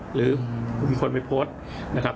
หรือคุณมีคนไปโพสต์นะครับ